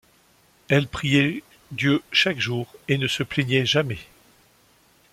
Elle priait Dieu chaque jour et ne se plaignait jamais.